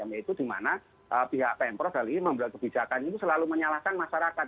yaitu dimana pihak pm prof hal ini membuat kebijakan itu selalu menyalahkan masyarakat